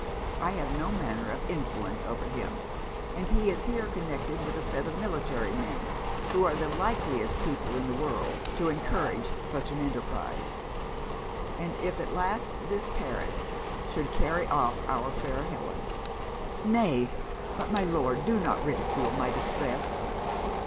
I have no manner of influence over him; and he is here connected with a set of military men, who are the likeliest people in the world to encourage such an enterprize and if at last this Paris should carry off our fair Helen!' 'Nay, but my Lord do not ridicule my distress.'